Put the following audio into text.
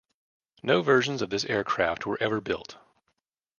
No versions of this aircraft were ever built.